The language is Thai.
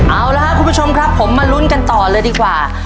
เอาละครับคุณผู้ชมครับผมมาลุ้นกันต่อเลยดีกว่า